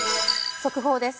速報です。